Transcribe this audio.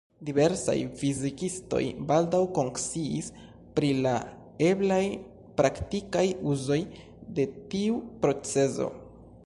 Diversaj fizikistoj baldaŭ konsciis pri la eblaj praktikaj uzoj de tiu procezo.